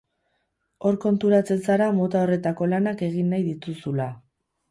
Hor konturatzen zara mota horretako lanak egin nahi dituzula.